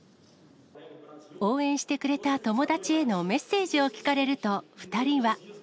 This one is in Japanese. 応援してくれた友達へのメッセージを聞かれると、２人は。